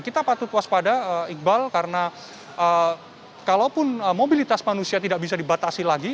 kita patut waspada iqbal karena kalaupun mobilitas manusia tidak bisa dibatasi lagi